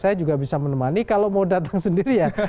saya juga bisa menemani kalau mau datang sendiri ya